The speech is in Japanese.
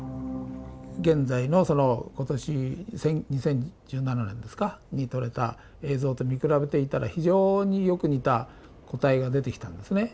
現在の今年２０１７年に撮れた映像と見比べていたら非常によく似た個体が出てきたんですね。